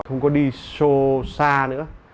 không có đi show xa nữa